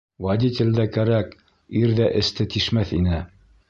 Водитель дә кәрәк, ир ҙә эсте тишмәҫ ине.